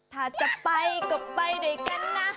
ถ้าจะไปก็ไปด้วยกันนะ